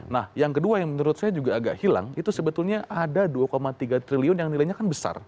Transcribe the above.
nah yang kedua yang menurut saya juga agak hilang itu sebetulnya ada dua tiga triliun yang nilainya kan besar